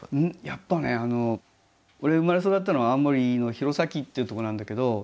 やっぱねあの俺生まれ育ったのは青森の弘前っていうとこなんだけど。